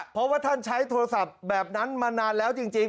เพราะว่าท่านใช้โทรศัพท์แบบนั้นมานานแล้วจริง